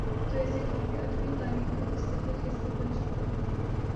توایسے خاکے ادبی تاریخ کا مستقل حصہ بن جا تے ہیں۔